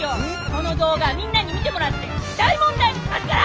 この動画みんなに見てもらって大問題にしますから！